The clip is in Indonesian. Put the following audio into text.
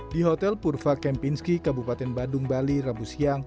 di hotel purva kempinski kabupaten badung bali rabu siang